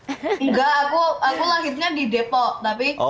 enggak aku lahirnya di depok